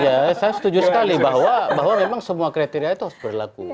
ya saya setuju sekali bahwa memang semua kriteria itu harus berlaku